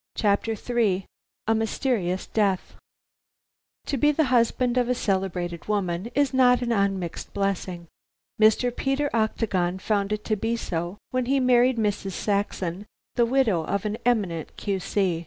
CHAPTER III A MYSTERIOUS DEATH To be the husband of a celebrated woman is not an unmixed blessing. Mr. Peter Octagon found it to be so, when he married Mrs. Saxon, the widow of an eminent Q.C.